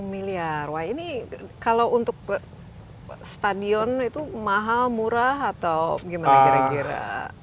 enam ratus empat puluh miliar wah ini kalau untuk stadion itu mahal murah atau gimana kira kira